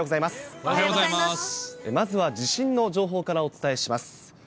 まずは地震の情報からお伝えします。